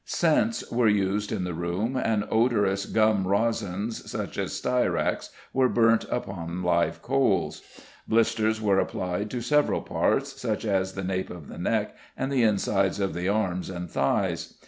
Scents were used in the room, and odorous gum resins, such as styrax, were burnt upon live coals. Blisters were applied to several parts, such as the nape of the neck and the insides of the arms and thighs.